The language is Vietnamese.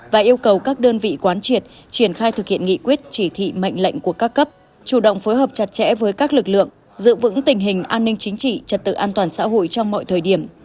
và yêu cầu các đơn vị quán triệt triển khai thực hiện nghị quyết chỉ thị mệnh lệnh của các cấp chủ động phối hợp chặt chẽ với các lực lượng giữ vững tình hình an ninh chính trị trật tự an toàn xã hội trong mọi thời điểm